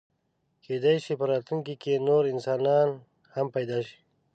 کېدی شي په راتلونکي کې نور انسانان هم پیدا شي.